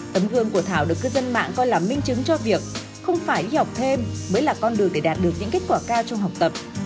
tấm gương của thảo được cư dân mạng coi là minh chứng cho việc không phải đi học thêm mới là con đường để đạt được những kết quả cao trong học tập